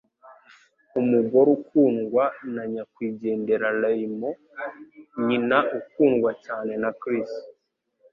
umugore ukundwa na nyakwigendera Raymond, nyina ukundwa cyane wa Chris.